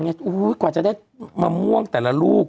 ยังไงกว่าจะได้มาม่วงแต่ละลูก